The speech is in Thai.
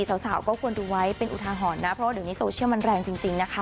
สาวก็ควรดูไว้เป็นอุทาหรณ์นะเพราะว่าเดี๋ยวนี้โซเชียลมันแรงจริงนะคะ